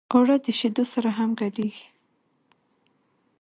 اوړه د شیدو سره هم ګډېږي